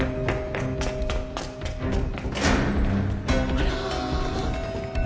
あら。